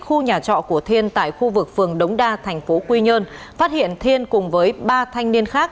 khu nhà trọ của thiên tại khu vực phường đống đa thành phố quy nhơn phát hiện thiên cùng với ba thanh niên khác